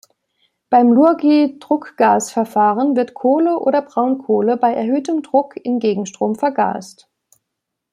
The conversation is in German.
Beim Lurgi-Druckgasverfahren wird Kohle oder Braunkohle bei erhöhtem Druck im Gegenstrom vergast.